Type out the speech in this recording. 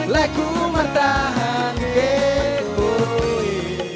leku martahan kekupui